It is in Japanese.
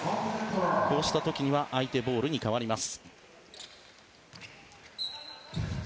こうした時には相手ボールに変わります。